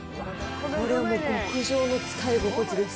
これはもう、極上の使い心地です。